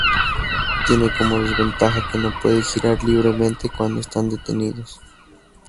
Tiene como desventaja que no pueden girar libremente cuando están detenidos.